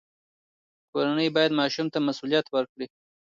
کورنۍ باید ماشوم ته مسوولیت ورکړي.